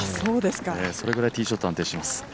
それくらいティーショット安定しています。